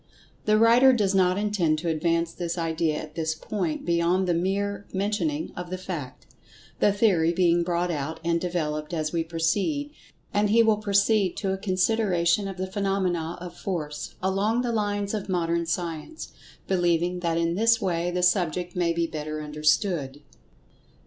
The writer does not intend to advance this idea at this point beyond the mere mentioning of the fact—the theory being brought out and devel[Pg 114]oped as we proceed—and he will proceed to a consideration of the phenomena of Force, along the lines of Modern Science, believing that in this way the subject may be better understood.